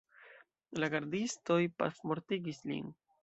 La gardistoj pafmortigis lin.